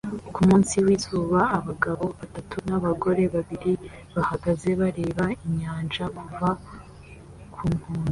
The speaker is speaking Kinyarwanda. Ku munsi w'izuba, abagabo batatu n'abagore babiri bahagaze bareba inyanja kuva ku nkombe